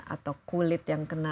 atau kulit yang kena